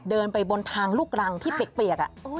เดินไปบนทางลูกรังที่เปียก